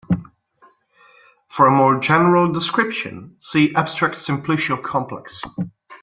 For a more general description, see abstract simplicial complex.